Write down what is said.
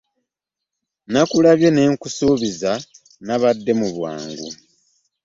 Nakulabye ne sikubuuza nabadde mu bwangu.